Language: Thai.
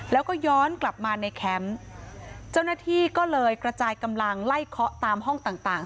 แล้วก็ย้อนกลับมาในแคมป์เจ้าหน้าที่ก็เลยกระจายกำลังไล่เคาะตามห้องต่างต่าง